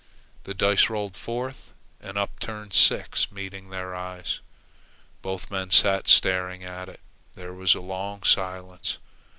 The dice rolled forth, an upturned six meeting their eyes. Both men sat staring at it. There was a long silence.